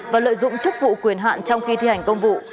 và lợi dụng chức vụ quyền hạn trong khi thi hành công vụ